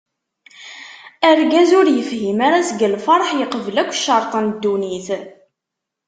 Argaz ur yefhim ara seg lferḥ yeqbel akk ccerṭ n dunnit.